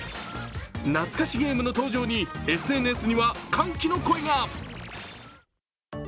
懐かしゲームの登場にＳＮＳには歓喜の声が。